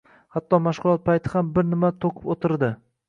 Hatto mashgʻulot payti ham bir nima toʻqib oʻtirdi.